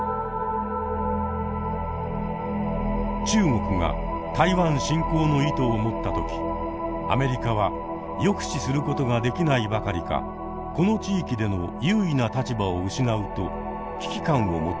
中国が台湾侵攻の意図を持った時アメリカは抑止することができないばかりかこの地域での優位な立場を失うと危機感を持っているのです。